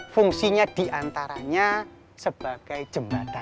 fungsinya diantaranya sebagai jembatan